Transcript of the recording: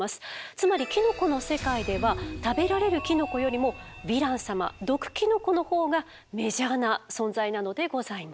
つまりキノコの世界では食べられるキノコよりもヴィラン様毒キノコのほうがメジャーな存在なのでございます。